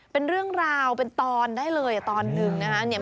เป็นเรื่องราวเป็นตอนได้เลยตอนหนึ่งนะครับ